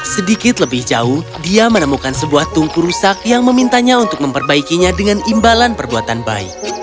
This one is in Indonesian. sedikit lebih jauh dia menemukan sebuah tungku rusak yang memintanya untuk memperbaikinya dengan imbalan perbuatan baik